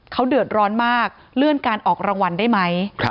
เขาเดือดร้อนมากเลื่อนการออกรางวัลได้ไหม